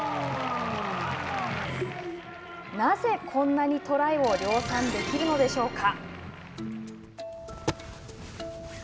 なぜ、こんなにトライを量産できるのでしょうか。